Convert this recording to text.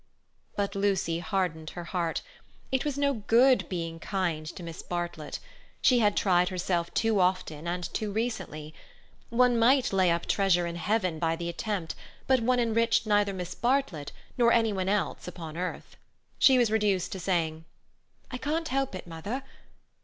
But Lucy hardened her heart. It was no good being kind to Miss Bartlett. She had tried herself too often and too recently. One might lay up treasure in heaven by the attempt, but one enriched neither Miss Bartlett nor any one else upon earth. She was reduced to saying: "I can't help it, mother.